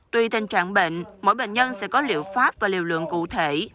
tuy tình trạng bệnh mỗi bệnh nhân sẽ có liệu pháp và liều lượng cụ thể